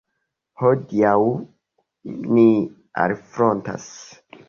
Hodiaŭ ni alfrontas.